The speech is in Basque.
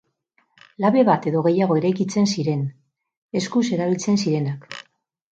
Labe bat edo gehiago eraikitzen ziren, eskuz erabiltzen zirenak.